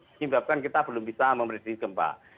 sehingga kita belum bisa memrediksi gempa